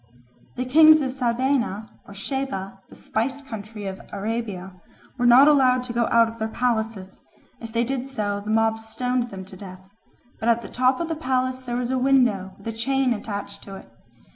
The kings of Sabaea or Sheba, the spice country of Arabia, were not allowed to go out of their palaces; if they did so, the mob stoned them to death. But at the top of the palace there was a window with a chain attached to it.